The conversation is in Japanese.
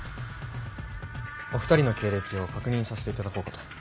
お二人の経歴を確認させていただこうかと。